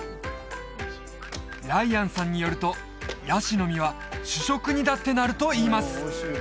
ライアンさんによるとヤシの実は主食にだってなるといいます